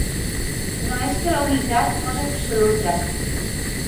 No és que la unitat fos absoluta.